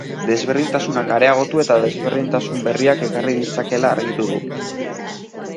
Desberdintasunak areagotu eta desberdintasun berriak ekarri ditzakeela argitu du.